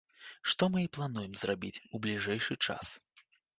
Што мы і плануем зрабіць у бліжэйшы час.